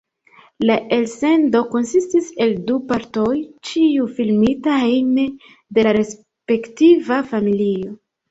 La elsendo konsistis el du partoj, ĉiu filmita hejme de la respektiva familio.